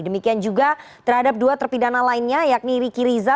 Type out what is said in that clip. demikian juga terhadap dua terpidana lainnya yakni riki riza